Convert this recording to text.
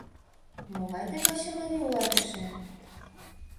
Могай тый качымарий улат эше.